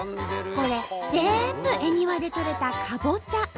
これ全部恵庭でとれたかぼちゃ！